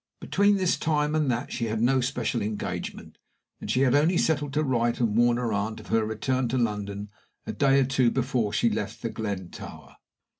Between this time and that she had no special engagement, and she had only settled to write and warn her aunt of her return to London a day or two before she left The Glen Tower.